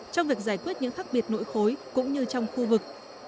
trong việc giải quyết những khác biệt nội khối cũng như trong khu vực